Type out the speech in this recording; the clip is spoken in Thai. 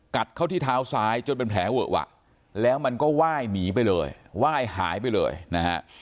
เข้าที่เท้าซ้ายจนเป็นแผลเวอะวะแล้วมันก็ไหว้หนีไปเลยไหว้หายไปเลยนะฮะ